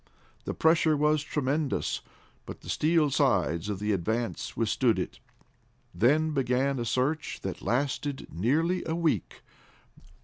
The pressure was tremendous, but the steel sides of the Advance withstood it. Then began a search that lasted nearly a week.